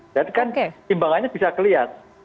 dan kan imbangannya bisa kelihatan